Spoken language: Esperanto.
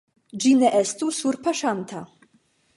Ĝi ne estu surpaŝanta.